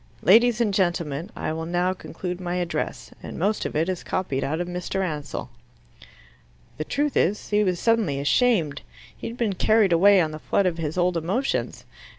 Ladies and gentlemen, I will now conclude my address. And most of it is copied out of Mr. Ansell." The truth is, he was suddenly ashamed. He had been carried away on the flood of his old emotions.